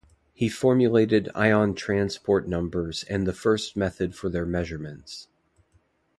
He formulated ion transport numbers and the first method for their measurements.